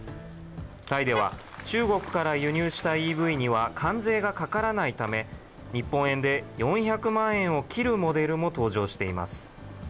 タイでは中国から輸入したＥＶには関税がかからないため、日本円で４００万円を切るモデルも登場しています。